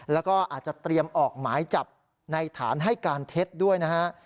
แล้วก็อาจจะเตรียมออกหมายจับในฐานให้การเท็จด้วยนะฮะ